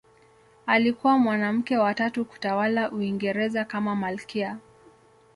Alikuwa mwanamke wa tatu kutawala Uingereza kama malkia.